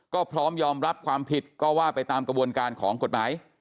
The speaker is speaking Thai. ก็พร้อมยอมรับความผิดก็ว่าไปตามกระบวนการของกฎหมาย